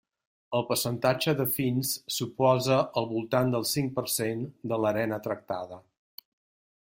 El percentatge de fins suposa al voltant del cinc per cent de l'arena tractada.